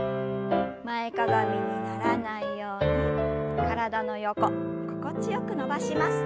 前かがみにならないように体の横心地よく伸ばします。